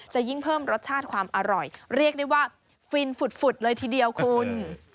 จะยิ่งเพิ่มรสชาติความอร่อยเรียกได้ว่าฟินฝุดเลยทีเดียวคุณ